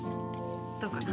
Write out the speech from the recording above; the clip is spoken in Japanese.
どうかな？